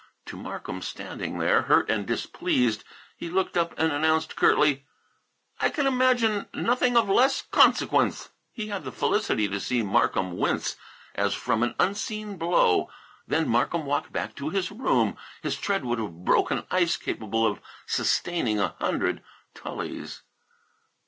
To Markham standing there, hurt and displeased, he looked up and announced curtly: "I can imagine nothing of less consequence!" He had the felicity to see Markham wince as from an unseen blow. Then Markham walked back to his own room. His tread would have broken ice capable of sustaining a hundred Tullys.